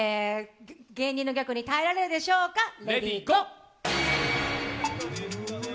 芸人のギャグに耐えられるでしょうか？